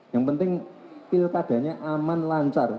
yang penting pilkadanya aman lancar